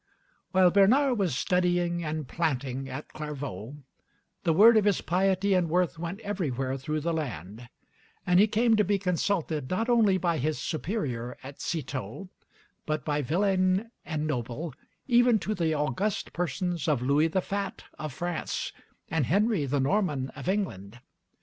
While Bernard was studying and planting at Clairvaux, the word of his piety and worth went everywhere through the land, and he came to be consulted not only by his Superior at Citeaux, but by villein and noble, even to the august persons of Louis the Fat of France and Henry the Norman of England.